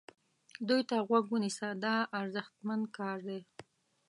دوی ته غوږ ونیسه دا ارزښتمن کار دی.